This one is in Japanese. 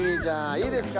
いいですか？